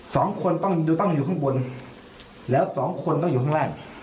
สองคนต้องดูต้องอยู่ข้างบนแล้วสองคนต้องอยู่ข้างล่าง